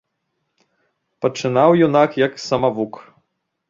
Пачынаў юнак як самавук.